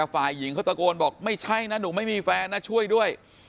ฝ่ายหญิงเขาตะโกนบอกไม่ใช่นะหนูไม่มีแฟนนะช่วยด้วย